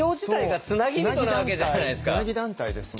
つなぎ団体ですもんね。